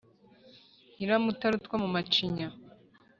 Nyiramutarutwa muka Macinya,